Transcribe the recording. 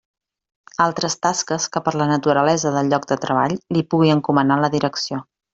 Altres tasques que per la naturalesa del lloc de treball li pugui encomanar la Direcció.